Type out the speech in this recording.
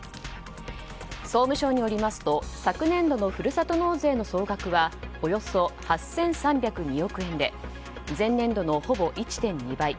総務省によりますと昨年度のふるさと納税の総額はおよそ８３０２億円で前年度のほぼ１．２倍。